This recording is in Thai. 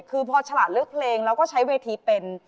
คือพอฉลาดเลือกเพลงแล้วก็ใช้เวทีเป็น